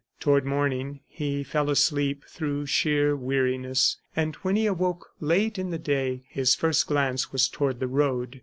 Toward morning he fell asleep through sheer weariness, and when he awoke late in the day his first glance was toward the road.